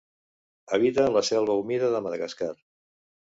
Habita la selva humida de Madagascar.